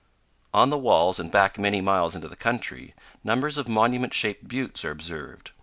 On the walls, and back many miles into the country, numbers of monument shaped buttes are observed.